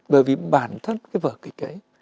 bởi vì bản thân cái vở kịch ấy